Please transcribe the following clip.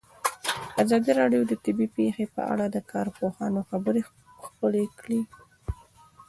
ازادي راډیو د طبیعي پېښې په اړه د کارپوهانو خبرې خپرې کړي.